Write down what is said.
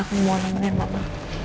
aku mau nemenin mama